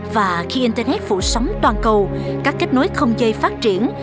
và khi internet phụ sống toàn cầu các kết nối không dây phát triển